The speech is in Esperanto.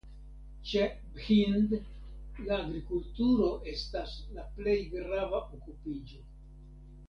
Ĉe Bhind la agrikulturo estas la plej grava okupiĝo.